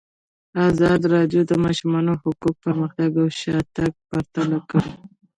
ازادي راډیو د د ماشومانو حقونه پرمختګ او شاتګ پرتله کړی.